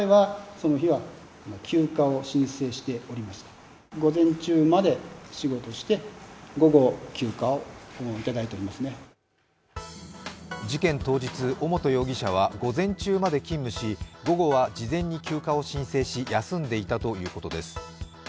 一方、事件当日については事件当日、尾本容疑者は午前中まで勤務し、午後は事前に休暇を申請し、休んでいたということです。